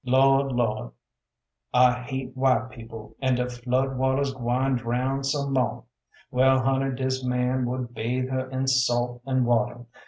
Lord, Lord, I hate white people and de flood waters gwine drown some mo. Well honey dis man would bathe her in salt and water.